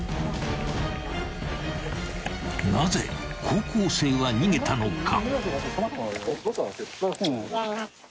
［なぜ高校生は逃げたのか？］